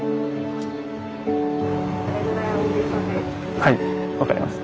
はい分かりました。